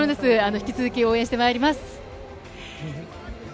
引き続き応援してまいります。